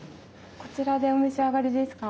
こちらでお召し上がりですか？